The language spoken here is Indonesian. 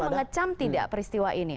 mengecam tidak peristiwa ini